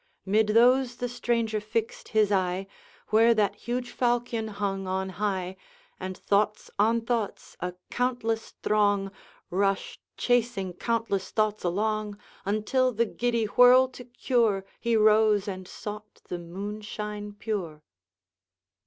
Mid those the stranger fixed his eye Where that huge falchion hung on high, And thoughts on thoughts, a countless throng, Rushed, chasing countless thoughts along, Until, the giddy whirl to cure, He rose and sought the moonshine pure.